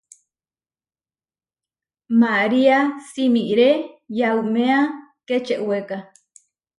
María simiré yauméa Kečeweka.